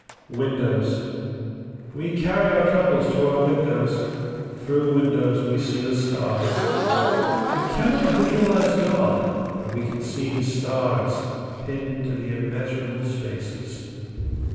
Windows. We carry our troubles to our windows; through windows we see the stars. We cannot visualize God, but we can see His stars pinned to the immeasurable spaces.